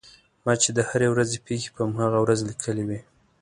ما چې د هرې ورځې پېښې په هماغه ورځ لیکلې وې.